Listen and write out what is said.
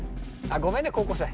あっごめんね高校生。